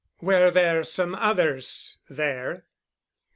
"Were there some others there?"